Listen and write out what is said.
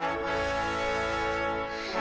あっ！